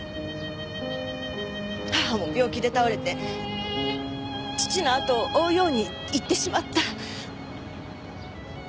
母も病気で倒れて父のあとを追うようにいってしまった。